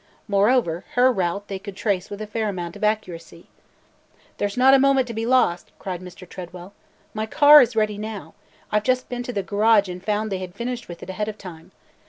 Moreover, her route they could trace with a fair amount of accuracy. "There 's not a moment to be lost!" cried Mr. Tredwell. "My car is ready now. I 've just been to the garage and found they had finished with it ahead of time.